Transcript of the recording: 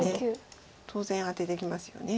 当然アテてきますよね。